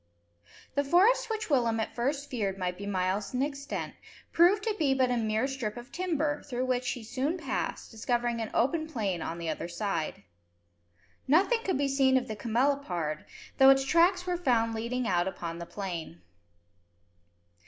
The forest which Willem at first feared might be miles in extent, proved to be but a mere strip of timber, through which he soon passed, discovering an open plain on the other side. Nothing could be seen of the camelopard, though its tracks were found leading out upon the plain.